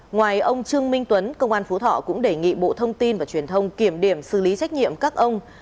ngoài ông trương minh tuấn công an phú thọ cũng đề nghị bộ thông tin và truyền thông kiểm điểm xử lý trách nhiệm các ông